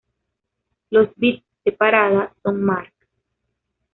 Los bits de parada son "mark".